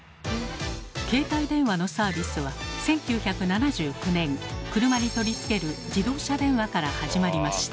携帯電話のサービスは１９７９年車に取り付ける「自動車電話」から始まりました。